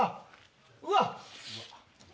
うわっ！